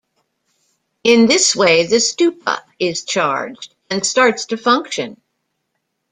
In this way the stupa is charged, and starts to function.